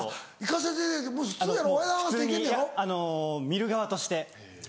見る側として。